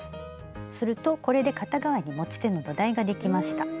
するとこれで片方に持ち手の土台ができました。